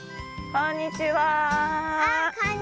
こんにちは。